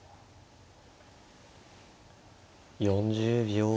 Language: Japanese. ４０秒。